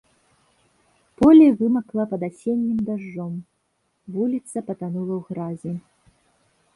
Поле вымакла пад асеннім дажджом, вуліца патанула ў гразі.